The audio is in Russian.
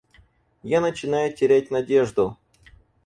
Я начинаю терять надежду.